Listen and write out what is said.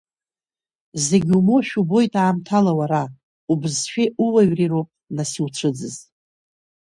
Зегь умоушәа убоит аамҭала уара, убызшәеи ууаҩреи роуп нас иуцәыӡыз.